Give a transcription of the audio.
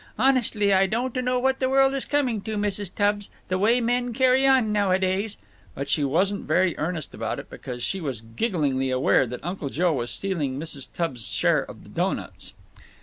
Honestly, I don't know what the world is coming to, Mrs. Tubbs, the way men carry on nowadays." But she wasn't very earnest about it because she was gigglingly aware that Uncle Joe was stealing Mrs. Tubbs's share of the doughnuts.